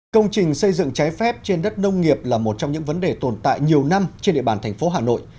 công trình xây dựng trái phép trên đất nông nghiệp là một trong những vấn đề tồn tại nhiều năm trên địa bàn thành phố hà nội